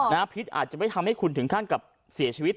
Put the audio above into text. อ๋อนะฮะพิษอาจจะไม่ทำให้คุณถึงท่านกับเสียชีวิต